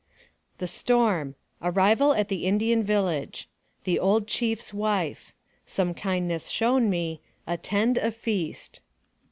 THE STORM ARRIVAL AT THE INDIAN VILLAGE THE OLD CHIEF'S WIFE SOME KINDNESS SHOWN ME ATTEND A FEAST.